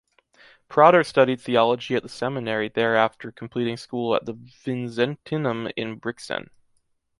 Prader studied theology at the seminary there after completing school at the Vinzentinum in Brixen.